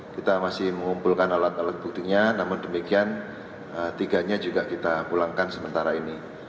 kita masih mengumpulkan alat alat buktinya namun demikian tiganya juga kita pulangkan sementara ini